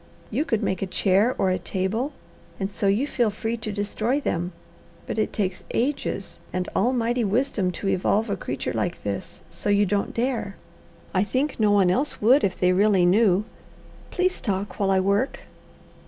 You could make a chair or a table, and so you feel free to destroy them; but it takes ages and Almighty wisdom to evolve a creature like this, so you don't dare. I think no one else would if they really knew. Please talk while I work."